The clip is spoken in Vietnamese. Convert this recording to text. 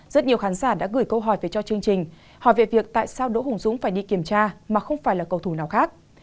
rất nhiều khán giả đã gửi câu hỏi về cho chương trình hỏi về việc tại sao đỗ hùng dũng phải đi kiểm tra mà không phải là cầu thủ nào khác